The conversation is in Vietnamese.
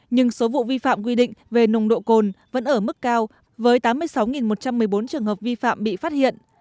nhưng số vụ vi phạm quy định về nồng độ cồn vẫn ở mức cao với tám mươi sáu một trăm một mươi bốn trường hợp vi phạm bị phát hiện